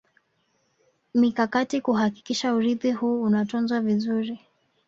Mikakati kuhakikisha urithi huu unatunzwa vizuri